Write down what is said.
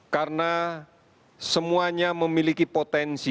karena semuanya memiliki potensi